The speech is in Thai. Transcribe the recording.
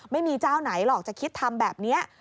ไม่มีเจ้าไหนหรอกจะคิดทำแบบนี้